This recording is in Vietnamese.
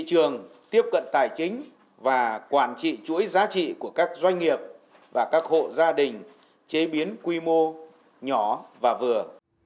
thị trường tiếp cận tài chính và quản trị chuỗi giá trị của các doanh nghiệp và các hộ gia đình chế biến quy mô nhỏ và vừa